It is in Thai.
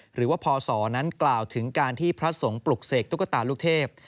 หรือว่าพศนั้นกล่าวถึงการที่พระสงฆ์ปลุกเสกตุ๊กตาลูกเทพ